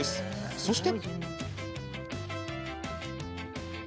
そして。